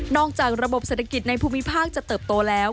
จากระบบเศรษฐกิจในภูมิภาคจะเติบโตแล้ว